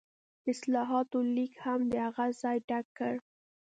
د اصلاحاتو لیګ هم د هغه ځای ډک کړ.